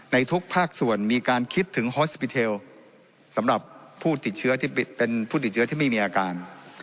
ทุกภาคส่วนมีการคิดถึงฮอสปิเทลสำหรับผู้ติดเชื้อที่เป็นผู้ติดเชื้อที่ไม่มีอาการ